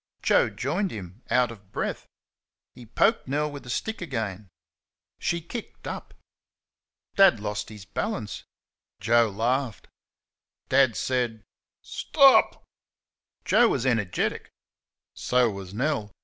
Joe joined them, out of breath. He poked Nell with the stick again. She "kicked up." Dad lost his balance. Joe laughed. Dad said, "St o op!" Joe was energetic. So was Nell.